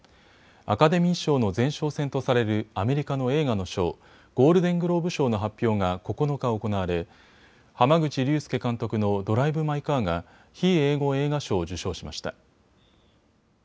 アカデミー賞の前哨戦とされるアメリカの映画の賞、ゴールデングローブ賞の発表が９日行われ濱口竜介監督のドライブ・マイ・カーが非英語映画賞を受賞しました。